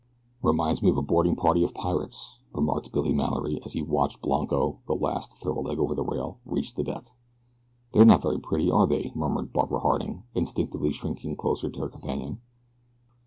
"Reminds me of a boarding party of pirates," remarked Billy Mallory, as he watched Blanco, the last to throw a leg over the rail, reach the deck. "They're not very pretty, are they?" murmured Barbara Harding, instinctively shrinking closer to her companion.